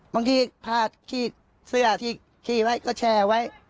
บางที่ผ้าขี้เสื้อขี้ไว้ก็แชร์ไว้